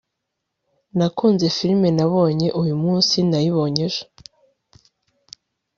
nakunze firime nabonye uyumunsi nayibonye ejo